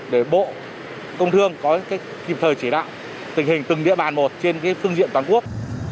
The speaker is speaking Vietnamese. để bộ công thương kịp thời chỉ đạo tình hình từng địa bàn một trên phương diện toàn quốc